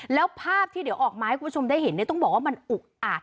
แล้วภาพที่เดี๋ยวออกมาให้คุณผู้ชมได้เห็นต้องบอกว่ามันอุกอาด